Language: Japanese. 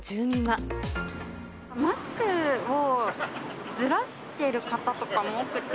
マスクをずらしてる方とかも多くて。